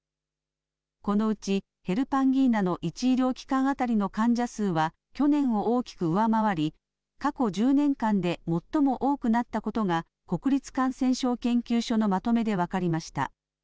このうち、ヘルパンギーナの１医療機関当たりの患者数は、去年を大きく上回り、過去１０年間で最も多くなったことが、国立感染症研究所のまとめで分かりました。